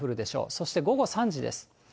そして午後３時です。